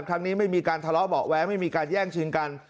ครั้งนี้ไม่มีการทะเลาะเบาะแว้งไม่มีการแย่งชิงกัน